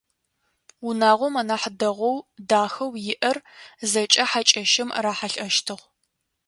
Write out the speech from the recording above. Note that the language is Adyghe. Унагъом анахь дэгъоу, дахэу иӏэр зэкӏэ хьакӏэщым рахьылӏэщтыгъ.